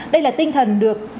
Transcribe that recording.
đây là tinh thần được